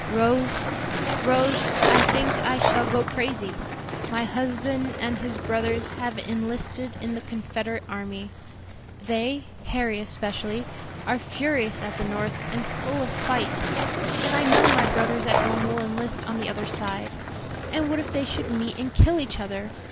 "Rose, Rose, I think I shall go crazy! my husband and his brothers have enlisted in the Confederate army. They, Harry especially, are furious at the North and full of fight; and I know my brothers at home will enlist on the other side; and what if they should meet and kill each other!